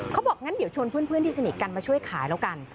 เขาบอกงั้นเดี๋ยวชวนเพื่อนที่สนิทกันมาช่วยขายแล้วกัน